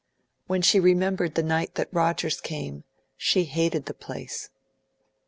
When she remembered that night when Rogers came, she hated the place.